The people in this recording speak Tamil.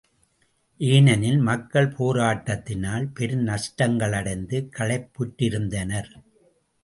ஏனெனில், மக்கள் போராட்டத்தினால் பெரும் நஷ்டங்களடைந்து களைப்புற்றிருந்தனர்.